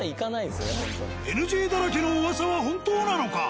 ＮＧだらけの噂は本当なのか？